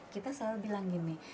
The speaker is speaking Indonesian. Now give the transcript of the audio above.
kita selalu bilang gini